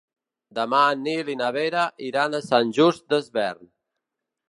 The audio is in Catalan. Demà en Nil i na Vera iran a Sant Just Desvern.